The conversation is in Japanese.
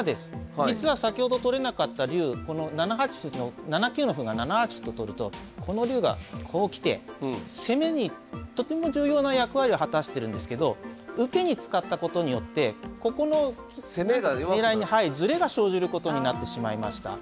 実は先ほど取れなかった龍７八歩の７九の歩が７八と取るとこの龍がこう来て攻めにとても重要な役割を果たしているんですけど受けに使ったことによってここのねらいにズレが生じることになってしまいました。